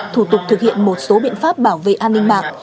thủ tục thực hiện một số biện pháp bảo vệ an ninh mạng